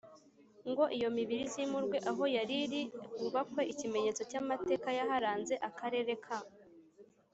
ngo iyo mibiri izimurwe aho yari iri hubakwe Ikimenyetso cy amateka yaharanze Akarere ka